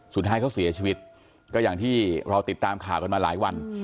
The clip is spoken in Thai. สุดท้ายเขาเสียชีวิตก็อย่างที่เราติดตามข่าวกันมาหลายวัน